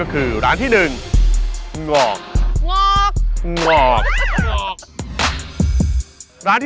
การเวลา